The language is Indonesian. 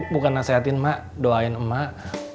bukan nasehatin mak doain emak